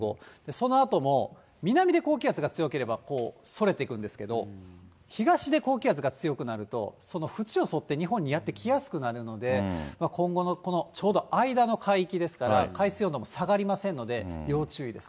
そのあとも南で高気圧が強ければそれていくんですけれども、東で高気圧が強くなると、その縁を沿って日本にやって来やすくなるので、今後のこのちょうど間の海域ですから、海水温度も下がりませんので、要注意です。